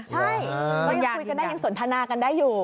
ใช่เขายังคุยกันได้ยังสนทนากันได้อยู่